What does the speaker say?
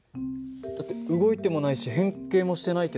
だって動いてもないし変形もしてないけど。